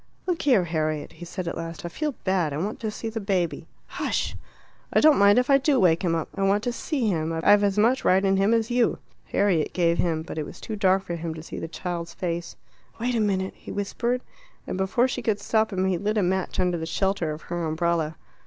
"Look here, Harriet," he said at last, "I feel bad; I want to see the baby." "Hush!" "I don't mind if I do wake him up. I want to see him. I've as much right in him as you." Harriet gave in. But it was too dark for him to see the child's face. "Wait a minute," he whispered, and before she could stop him he had lit a match under the shelter of her umbrella.